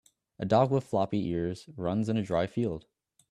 A dog with floppy ears runs in a dry field